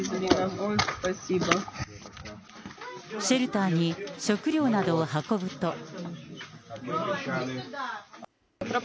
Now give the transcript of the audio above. シェルターに食料などを運ぶと。